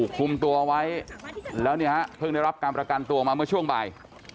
คุมตัวไว้แล้วเนี่ยฮะเพิ่งได้รับการประกันตัวออกมาเมื่อช่วงบ่าย